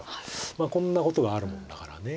こんなことがあるもんだからね。